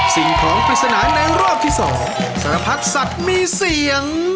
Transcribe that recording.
สิ่งของปริศนาในรอบที่๒สารพัดสัตว์มีเสียง